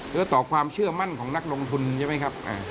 แล้วต่อความเชื่อมั่นของนักลงทุนใช่ไหมครับ